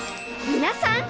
［皆さん］